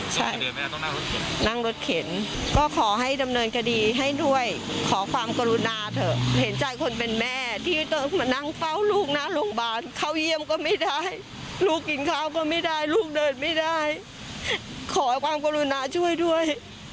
ใช่นั่งรถเข็นก็ขอให้ดำเนินคดีให้ด้วยขอความกรุณาเถอะเห็นใจคนเป็นแม่ที่ต้องมานั่งเฝ้าลูกหน้าโรงพยาบาลเข้าเยี่ยมก็ไม่ได้ลูกกินข้าวก็ไม่ได้ลูกเดินไม่ได้ขอความกรุณาช่วยด้วย